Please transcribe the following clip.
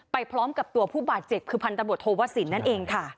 ไปพร้อมกับตัวผู้บาดเจ็บคือพันธบทโทวสินนั่นเองค่ะ